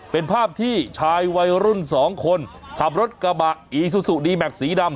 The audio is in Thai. เป็นภาพที่ชายวัยรุ่นสองคนขับรถกระบะอีซูซูดีแม็กซีดำ